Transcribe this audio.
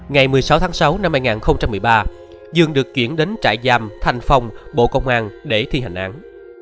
ngày một mươi sáu tháng sáu năm hai nghìn một mươi ba dương được chuyển đến trại giam thanh phong bộ công an để thi hành án